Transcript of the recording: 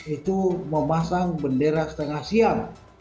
itu memasang bendera setengah siang